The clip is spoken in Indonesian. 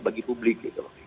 bagi publik gitu